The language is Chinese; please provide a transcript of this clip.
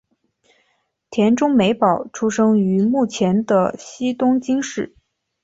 田中美保出生于目前的西东京市。